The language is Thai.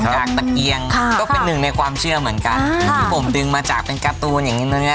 ที่แล้วก็เป็นอึดในความเชื่อเหมือนกันหรือผมดึงมาจากเป็นการตูนแหละ